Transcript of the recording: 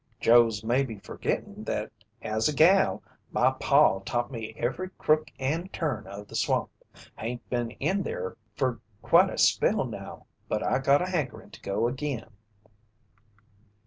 "Joe's maybe fergettin' that as a gal, my paw taught me every crook and turn of the swamp. Hain't been in there fer quite a spell now, but I got a hankerin' to go agin."